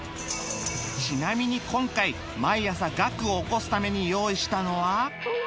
ちなみに今回毎朝ガクを起こすために用意したのは